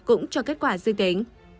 cũng cho kết quả dư tính